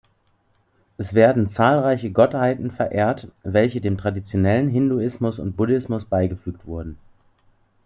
Es werden zahlreiche Gottheiten verehrt, welche dem traditionellen Hinduismus und Buddhismus beigefügt wurden.